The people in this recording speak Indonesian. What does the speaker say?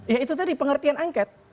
ya itu tadi pengertian angket